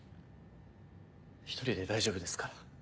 １人で大丈夫ですから。